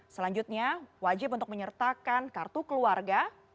selanjutnya wajib untuk menyertakan kartu keluarga